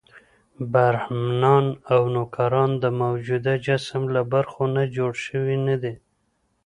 برهمنان او نوکران د موجود جسم له برخو نه جوړ شوي نه دي.